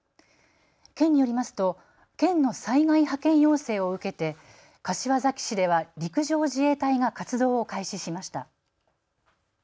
県によりますと県の災害派遣要請を受けて柏崎市では陸上自衛隊が活動を開始しました。